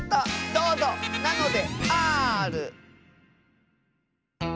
どうぞなのである！